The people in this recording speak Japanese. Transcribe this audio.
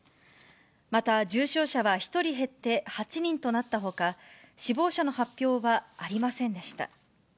また重症者は１人減って８人となったほか、死亡者の発表はありませんでした。